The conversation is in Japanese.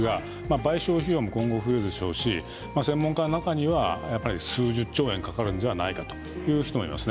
賠償費用も今後増えるでしょうし専門家の中には数十兆円かかるんじゃないかという人もいます。